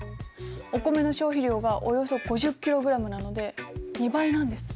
お米の消費量がおよそ５０ｋｇなので２倍なんです。